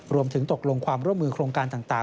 รวมถึงตกลงความร่วมมือโครงการต่าง